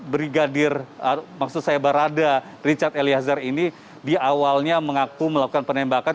brigadir maksud saya barada richard eliezer ini di awalnya mengaku melakukan penembakan